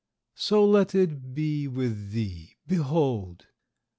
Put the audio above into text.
_So let it be with thee, behold!